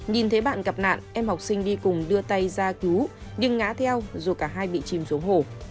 nhìn thấy bạn gặp nạn em học sinh đi cùng đưa tay ra cứu nhưng ngã theo dù cả hai bị chìm xuống hồ